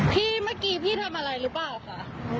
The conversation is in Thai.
พี่เมื่อกี้พี่ทำอะไรหรือเปล่าคะ